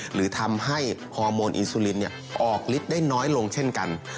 หรือทำให้ฮอร์โมนอีซูลินออกฤทธิ์ได้น้อยลงเช่นกัน